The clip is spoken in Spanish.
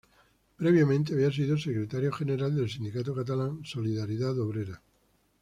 Previamente había sido Secretario General del sindicato catalán Solidaridad Obrera.